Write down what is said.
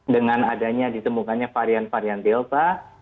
dengan adanya ditemukannya varian varian delta